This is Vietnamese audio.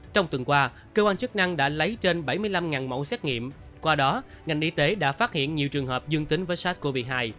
trong tuần qua cơ quan chức năng đã lấy trên bảy mươi năm mẫu xét nghiệm qua đó ngành y tế đã phát hiện nhiều trường hợp dương tính với sars cov hai